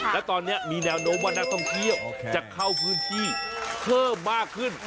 และตอนนี้มีแนวโน้มว่านักท่องเที่ยวจะเข้าพื้นที่เพิ่มมากขึ้น